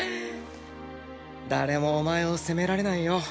誰もお前を責められないよ。